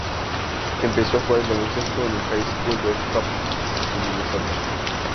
Empezó a jugar al baloncesto en el High School de Hopkins de Minnesota.